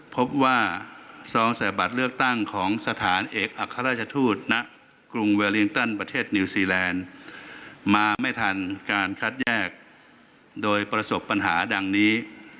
พบว่าซองใส่บัตรเลือกตั้งของสถานเอกอัครราชทูตณกรุงเวลิงตันประเทศนิวซีแลนด์มาไม่ทันการคัดแยกโดยประสบปัญหาดังนี้